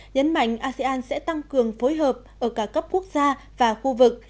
nhấn mạnh asean sẽ tăng cường phối hợp ở cả cấp quốc gia và khu vực